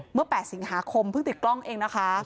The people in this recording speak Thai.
เมื่อ๘สิงหาคมเพิ่งติดกล้องเองนะคะ